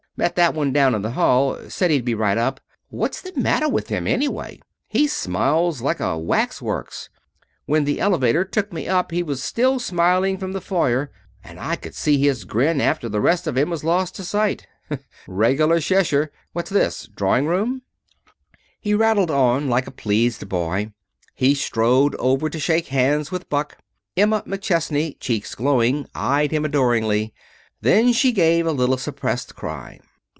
Met that one down in the hail. Said he'd be right up. What's the matter with him anyway? He smiles like a waxworks. When the elevator took me up he was still smiling from the foyer, and I could see his grin after the rest of him was lost to sight. Regular Cheshire. What's this? Droring room?" [Illustration: "'Welcome home!' she cried. 'Sketch in the furniture to suit yourself'"] He rattled on like a pleased boy. He strode over to shake hands with Buck. Emma McChesney, cheeks glowing, eyed him adoringly. Then she gave a little suppressed cry.